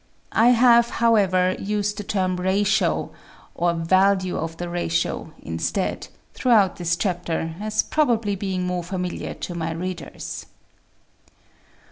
I have, however, used the term ratio, or value of the ratio instead, throughout this chapter, as probably being more familiar to my readers.